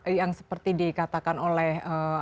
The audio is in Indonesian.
yang seperti dikatakan oleh